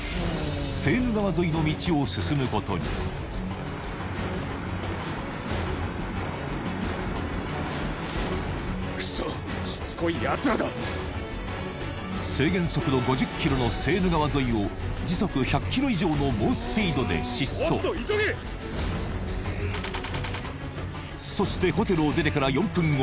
セーヌ川沿いの道を進むことに制限速度５０キロのセーヌ川沿いを時速１００キロ以上の猛スピードで疾走そしてホテルを出てから４分後